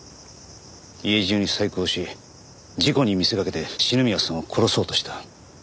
家中に細工をし事故に見せかけて篠宮さんを殺そうとした。